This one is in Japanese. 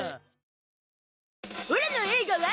オラの映画は。